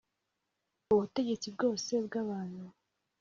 ubutegetsi bwose bw abantu